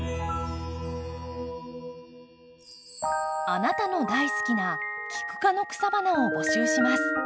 あなたの大好きなキク科の草花を募集します。